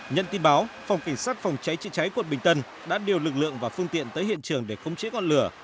nhận tin báo phòng cảnh sát phòng cháy chữa cháy quận bình tân đã điều lực lượng và phương tiện tới hiện trường để khống chế ngọn lửa